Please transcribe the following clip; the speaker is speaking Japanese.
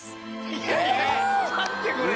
いやいや待ってくれよ